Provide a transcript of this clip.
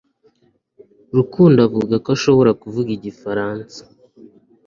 rukundo avuga ko ashobora kuvuga igifaransa